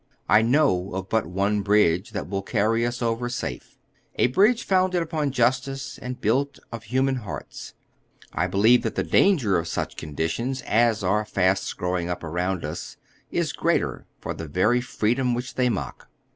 I know of but one bridge that will carry us over safe, a bridge founded upon justice and built of human hearts. oy Google HOW THE CASE STANDS, Ml I believe that the danger of sncli conditions as are fast growing up around us is greater for tlie very freedom which they mock.